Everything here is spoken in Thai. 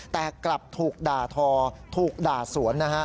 แตกกลับถูกด่าทอถูกด่าสวน